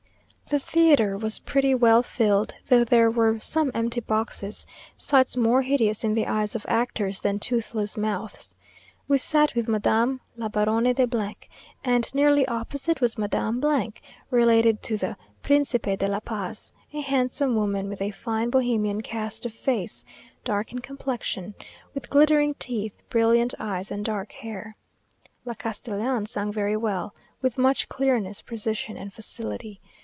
The theatre was pretty well filled, though there were some empty boxes, sights more hideous in the eyes of actors than toothless mouths. We sat with Madame la Baronne de , and nearly opposite was Madame , related to the "Principe de la Paz," a handsome woman, with a fine Bohemian cast of face, dark in complexion, with glittering teeth, brilliant eyes, and dark hair. La Castellan sang very well, with much clearness, precision, and facility.